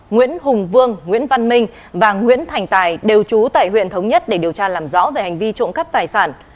nguyễn hùng vương nguyễn văn minh và nguyễn thành tài đều trú tại huyện thống nhất để điều tra làm rõ về hành vi trộm cắp tài sản